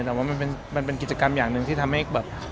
แต่ว่ามันเป็นกิจกรรมอย่างหนึ่งที่ทำให้แบบ